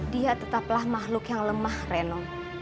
dia tetaplah makhluk yang lemah reno